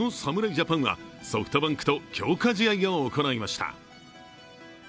ジャパンはソフトバンクと強化試合を行いました。